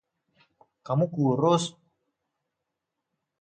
Kamu kurus.